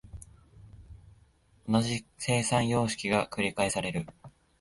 同じ生産様式が繰返される。